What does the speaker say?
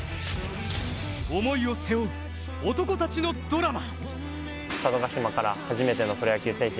思いを背負う男たちのドラマ。